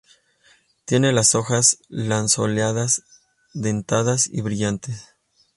Tiene las hojas lanceoladas, dentadas y brillantes.